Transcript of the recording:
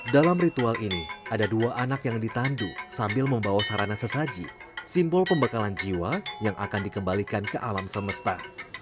dalam ritual ini ada dua anak yang ditandu sambil membawa sarana sesaji simbol pembekalan jiwa yang akan dikembalikan ke alam semesta